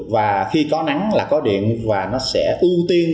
và khi có nắng là có điện và nó sẽ ưu tiên